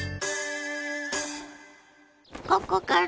ここから？